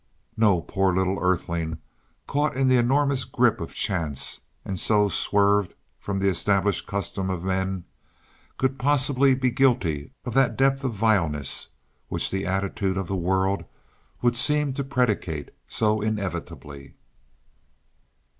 No poor little earthling, caught in the enormous grip of chance, and so swerved from the established customs of men, could possibly be guilty of that depth of vileness which the attitude of the world would seem to predicate so inevitably.